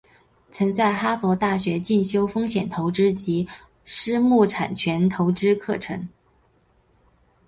并曾在哈佛大学进修风险投资及私募产权投资课程。